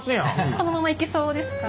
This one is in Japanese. このままいけそうですか？